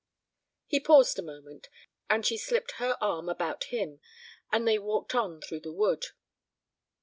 He paused a moment, and she slipped her arm about him and they walked on through the wood.